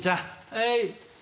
はい。